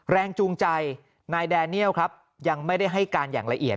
แรงจูงใจนายแดเนียลครับยังไม่ได้ให้การอย่างละเอียด